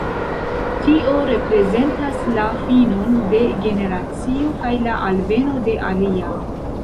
Tio reprezentas la finon de generacio kaj la alveno de alia.